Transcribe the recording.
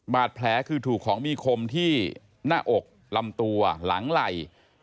บาดแผลคือถูกของมีคมที่หน้าอกลำตัวหลังไหล่